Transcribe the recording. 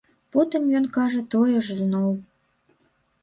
Потым ён кажа тое ж зноў.